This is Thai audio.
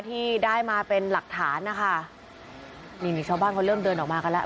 ที่ได้มาเป็นหลักฐานนะคะนี่นี่ชาวบ้านเขาเริ่มเดินออกมากันแล้ว